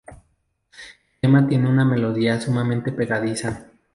El tema tiene una melodía sumamente pegadiza.